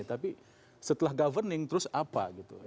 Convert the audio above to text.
tapi setelah governing terus apa gitu